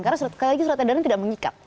karena sekali lagi surat edaran tidak mengikat